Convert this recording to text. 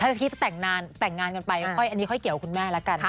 ถ้าสักทีจะแต่งงานกันไปอันนี้ค่อยเกี่ยวกับคุณแม่ละกัน